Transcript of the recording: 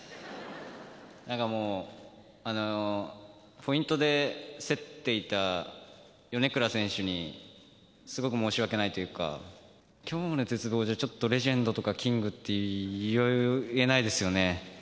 なんかもう、ポイントで競っていた米倉選手に、すごく申し訳ないというか、きょうの鉄棒では、ちょっとレジェンドとかキングって言えないですよね。